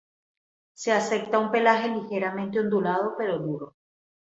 Se acepta un pelaje ligeramente ondulado, pero duro.